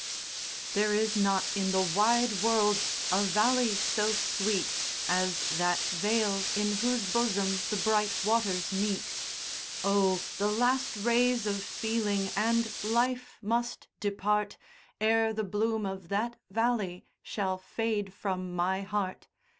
There is not in the wide world a valley so sweet As that vale in whose bosom the bright waters meet; Oh! the last rays of feeling and life must depart, Ere the bloom of that valley shall fade from my heart.